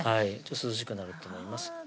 涼しくなると思います